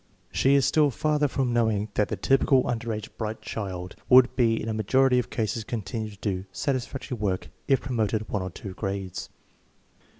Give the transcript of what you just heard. She is still farther from knowing that the typical under age bright child would in a majority of cases continue to do satisfac tory work if promoted one or two grades.